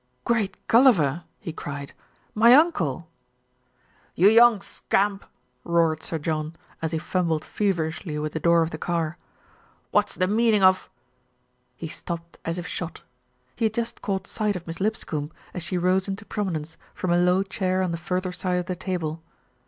"Great Gulliver !" he cried. "My uncle !" "You young scamp !" roared Sir John, as he fumbled feverishly with the door of the car. "What's the mean ing of " He stopped as if shot. He had just caught sight of Miss Lipscombe, as she rose into prominence from a low chair on the further side of the table.